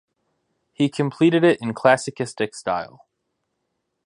He completed it in Classicistic style.